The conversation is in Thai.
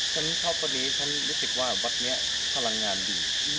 เท่าคนนี้ฉันรู้สึกว่าวัดนี้พลังงานดี